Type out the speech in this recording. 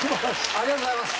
ありがとうございます。